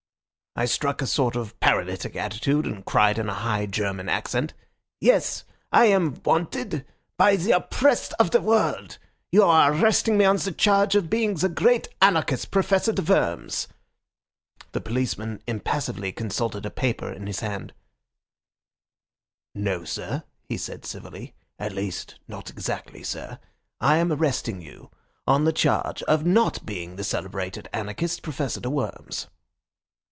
I struck a sort of paralytic attitude, and cried in a high German accent, 'Yes, I am wanted—by the oppressed of the world. You are arresting me on the charge of being the great anarchist, Professor de Worms.' The policeman impassively consulted a paper in his hand, 'No, sir,' he said civilly, 'at least, not exactly, sir. I am arresting you on the charge of not being the celebrated anarchist, Professor de Worms.